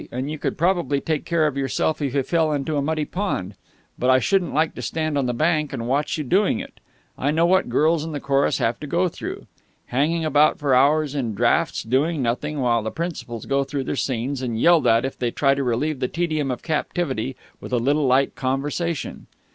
"And you could probably take care of yourself if you fell into a muddy pond. But I shouldn't like to stand on the bank and watch you doing it. I know what girls in the chorus have to go through. Hanging about for hours in draughts, doing nothing, while the principals go through their scenes, and yelled at if they try to relieve the tedium of captivity with a little light conversation...."